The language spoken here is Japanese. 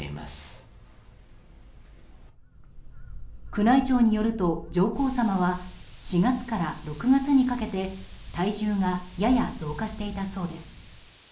宮内庁によると上皇さまは４月から６月にかけて体重がやや増加していたそうです。